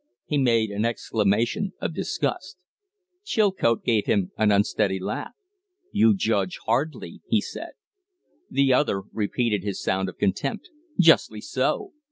He made an exclamation of disgust. Chilcote gave an unsteady laugh. "You judge hardly." he said. The other repeated his sound of contempt. "Justly so.